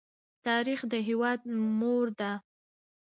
تاریخ د هېواد مور ده.